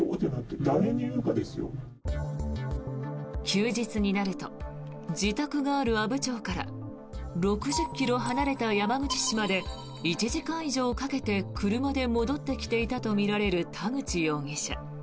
休日になると自宅のある阿武町から６０ｋｍ離れた山口市まで１時間以上かけて車で戻ってきていたとみられる田口容疑者。